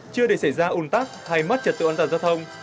chưa để xảy ra ủn tắc hay mất trật tự an toàn giao thông